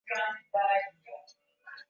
ya watu wa Algeria ni nchi ya Afrika ya